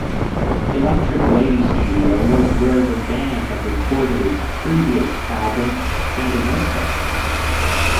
Electric Lady Studio was where the band had recorded its previous album Sandinista!